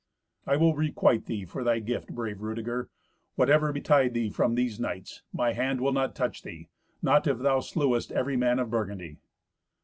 "I will requite thee for thy gift, brave Rudeger. Whatever betide thee from these knights, my hand will not touch thee—not if thou slewest every man of Burgundy."